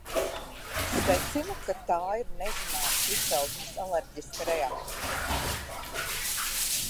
Secinu, ka tā ir nezināmas izcelsmes alerģiska reakcija.